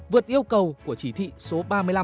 vượt yêu cầu của chỉ thị số ba mươi năm